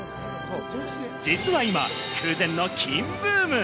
実は今、空前の金ブーム。